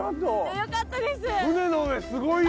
よかったです。